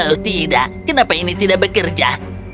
oh tidak kenapa ini tidak bekerja